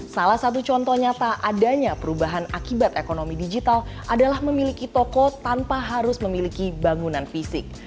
salah satu contoh nyata adanya perubahan akibat ekonomi digital adalah memiliki toko tanpa harus memiliki bangunan fisik